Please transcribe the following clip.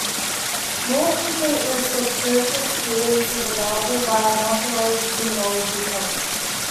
A more complete list of Church's students is available via Mathematics Genealogy Project.